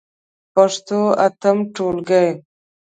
پښتو اتم ټولګی.